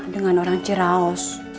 dengan orang ciraos